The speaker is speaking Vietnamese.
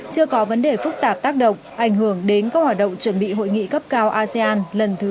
chưa có vấn đề phức tạp tác động ảnh hưởng đến các hoạt động chuẩn bị hội nghị cấp cao asean lần thứ một mươi bốn